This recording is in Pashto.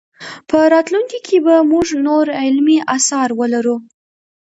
په راتلونکي کې به موږ نور علمي اثار ولرو.